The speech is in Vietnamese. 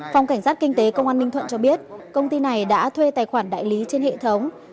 phòng cảnh sát kinh tế công an ninh thuận cho biết công ty này đã thuê tài khoản đại lý trên hệ thống